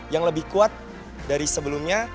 yang lebih kuat dari sebelumnya